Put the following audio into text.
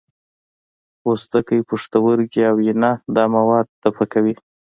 پوستکی، پښتورګي او ینه دا مواد دفع کوي.